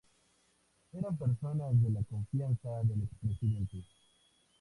Eran personas de la confianza del expresidente.